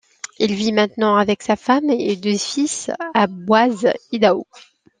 Il vit maintenant avec sa femme et deux fils à Boise, Idaho.